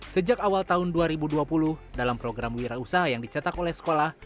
sejak awal tahun dua ribu dua puluh dalam program wira usaha yang dicetak oleh sekolah